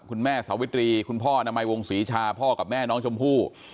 คุณแม่สาวิตรีคุณพ่อนามัยวงศรีชาพ่อกับแม่น้องชมพู่